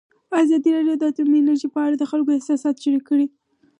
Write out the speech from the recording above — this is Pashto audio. ازادي راډیو د اټومي انرژي په اړه د خلکو احساسات شریک کړي.